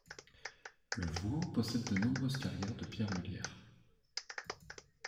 Le Vouan possède de nombreuses carrières de pierre meulière.